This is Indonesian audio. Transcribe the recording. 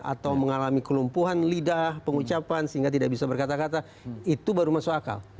atau mengalami kelumpuhan lidah pengucapan sehingga tidak bisa berkata kata itu baru masuk akal